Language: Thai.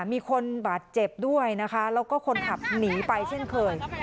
มีคนบาดเจ็บด้วยนะคะแล้วก็คนขับหนีไปเช่นเคย